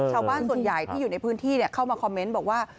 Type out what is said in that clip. ชาวบ้านส่วนใหญ่ที่อยู่ในพื้นที่เข้ามาคอมเมนต์บอกว่า